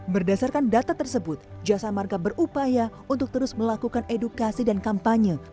berdasarkan data tersebut jasa marga berupaya untuk terus melakukan edukasi dan kampanye